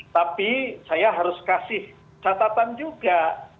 tapi saya harus kasih catatan juga